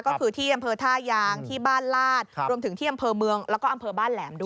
ก็คือที่อำเภอท่ายางที่บ้านลาดรวมถึงที่อำเภอเมืองแล้วก็อำเภอบ้านแหลมด้วย